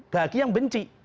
bagi yang benci